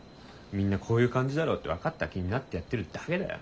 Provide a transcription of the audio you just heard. みんな「こういう感じだろ」って分かった気になってやってるだけだよ。